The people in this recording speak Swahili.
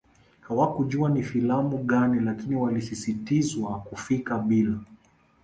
Hawakujua ni filamu gani lakini walisisitizwa kufika bila